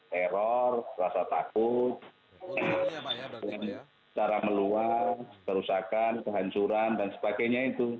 teror rasa takut dengan cara meluas kerusakan kehancuran dan sebagainya itu